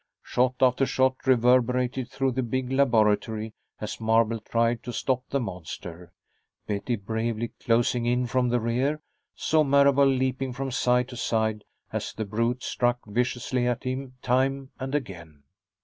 Shot after shot reverberated through the big laboratory as Marable tried to stop the monster. Betty, bravely closing in from the rear, saw Marable leaping from side to side as the brute struck viciously at him time and again.